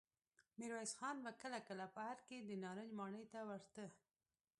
ميرويس خان به کله کله په ارګ کې د نارنج ماڼۍ ته ورته.